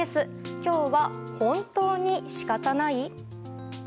今日は本当にしかたない？